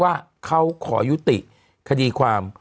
ว่าเขาขอยุติคดีความ